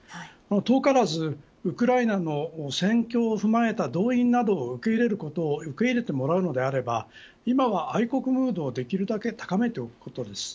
遠からずウクライナの戦況を踏まえた動員などを受け入れてもらうのであれば今は愛国ムードをできるだけ高めておくことです。